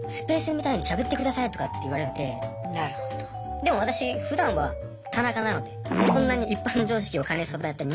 でも私ふだんは田中なのでこんなに一般常識を兼ね備えた人間なので。